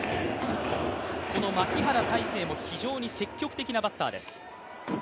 この牧原大成も非常に積極的なバッターです。